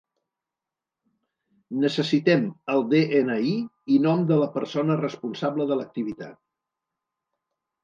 Necessitem el de-ena-i i nom de la persona responsable de l'activitat.